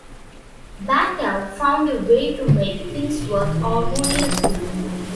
Baca found a way to make things work harmoniously.